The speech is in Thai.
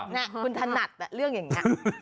นี่คุณถนัดเรื่องอย่างนี้